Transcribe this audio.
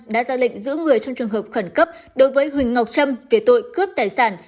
đã ra lệnh giữ người trong trường hợp khẩn cấp đối với huỳnh ngọc trâm về tội cướp tài sản